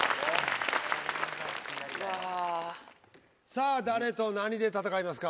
さあ誰と何で戦いますか？